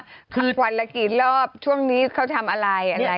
คือวันละกี่รอบช่วงนี้เขาทำอะไรอะไร